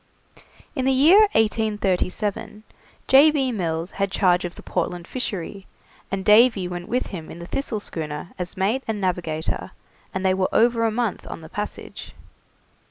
In the year 1837, J. B. Mills had charge of the Portland Fishery, and Davy went with him in the 'Thistle' schooner as mate and navigator, and they were over a month on the passage.